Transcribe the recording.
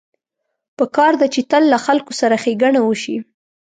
پکار ده چې تل له خلکو سره ښېګڼه وشي